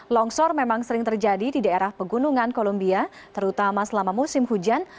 longsor memang sering terjadi di daerah pegunungan columbia terutama selama musim hujan